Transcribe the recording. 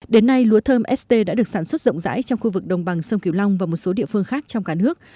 đến nay lúa thơm st đã được sản xuất rộng rãi trong khu vực đồng bằng sông kiều long và một số địa phương khác trong cả nước